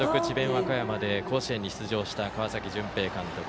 和歌山で甲子園に出場した川崎絢平監督。